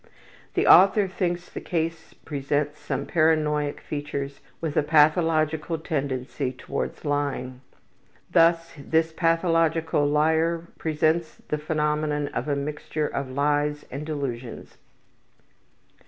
The author thinks the case presents some paranoiac features with a pathological tendency towards lying. Thus this pathological liar presents the phenomenon of a mixture of lies and delusions.